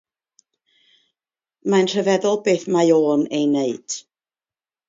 Mae'n rhyfeddol beth mae e'n ei wneud.